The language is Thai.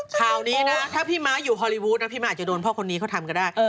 ข่าวนี้นะถ้าพี่ม้าอยู่ฮอลลีวูดนะพี่ม้าอาจจะโดนพ่อคนนี้เขาทำก็ได้